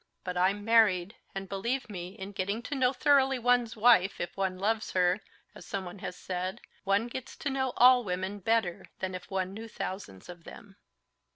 "But I'm married, and believe me, in getting to know thoroughly one's wife, if one loves her, as someone has said, one gets to know all women better than if one knew thousands of them."